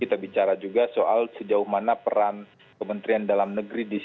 kita bicara juga soal sejauh mana peran kementerian dalam negeri